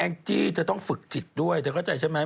แองตรีจะต้องฝึกจิตด้วยคิดเข้าใจใช่ไหม